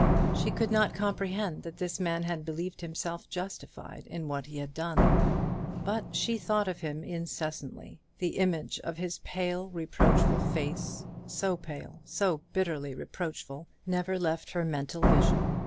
She could not comprehend that this man had believed himself justified in what he had done. But she thought of him incessantly. The image of his pale reproachful face so pale, so bitterly reproachful never left her mental vision.